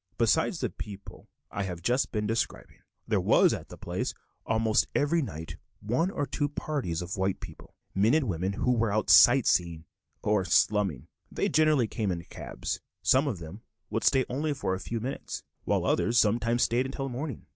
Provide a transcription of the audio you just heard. Besides the people I have just been describing, there was at the place almost every night one or two parties of white people, men and women, who were out sight seeing, or slumming. They generally came in cabs; some of them would stay only for a few minutes, while others sometimes stayed until morning.